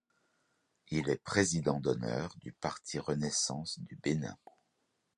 Il est président d'honneur du parti Renaissance du Bénin.